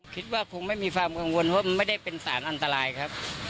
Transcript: คิดว่าคงไม่มีความกังวลเพราะไม่ได้เป็นสารอันตรายครับ